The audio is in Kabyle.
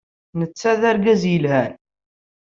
Netta d argaz yelhan.